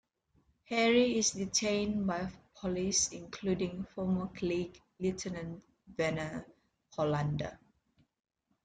Harry is detained by police, including former colleague Lieutenant Verna Hollander.